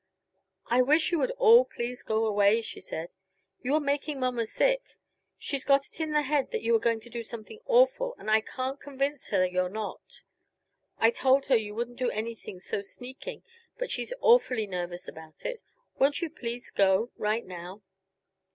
"I wish you all would please go away," she said. "You are making mamma sick. She's got it in her head that you are going to do something awful, and I can't convince her you're not. I told her you wouldn't do anything so sneaking, but she's awfully nervous about it. Won't you please go, right now?"